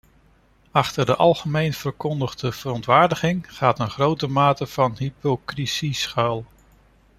Achter de algemeen verkondigde verontwaardiging gaat een grote mate van hypocrisie schuil.